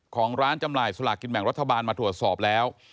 ของร้านจำหน่ายสลากกินแบ่งรัฐบาลมาตรวจสอบแล้ว